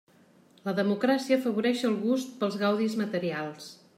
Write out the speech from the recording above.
La democràcia afavoreix el gust pels gaudis materials.